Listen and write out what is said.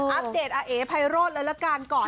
อัปเดตอาเอ๋ไพโรธเลยละกันก่อน